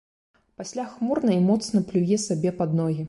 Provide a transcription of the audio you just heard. Пасля хмурна і моцна плюе сабе пад ногі.